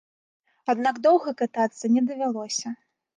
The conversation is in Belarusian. Аднак доўга катацца не давялося.